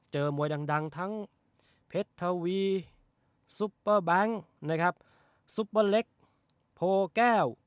มวยดังทั้งเพชรทวีซุปเปอร์แบงค์นะครับซุปเปอร์เล็กโพแก้ว